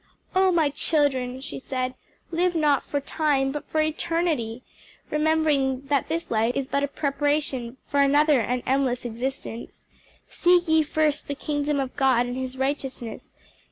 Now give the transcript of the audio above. "Oh my children," she said, "live not for time, but for eternity! remembering that this life is but a preparation for another and endless existence. 'Seek ye first the kingdom of God, and his righteousness.'